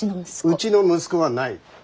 うちの息子はない。